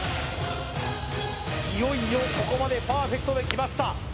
いよいよここまでパーフェクトできました